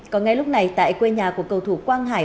còn ngay lúc này tại quê nhà của cầu thủ quang hải